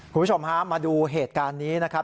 คุณผู้ชมฮะมาดูเหตุการณ์นี้นะครับ